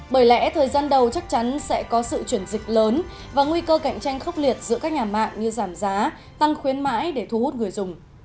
bởi lẽ thời gian đầu chắc chắn sẽ có sự chuyển dịch lớn và nguy cơ cạnh tranh khốc liệt giữa các nhà mạng như giảm giá tăng khuyến mãi để thu hút người dùng